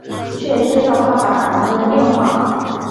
却接到爸爸打来的电话